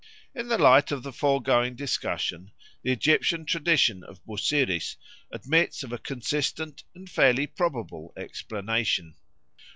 In the light of the foregoing discussion the Egyptian tradition of Busiris admits of a consistent and fairly probable explanation.